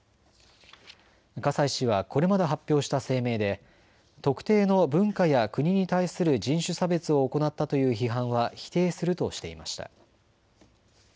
葛西氏はこれまで発表した声明で特定の文化や国に対する人種差別を行ったという批判は否定するとしていました。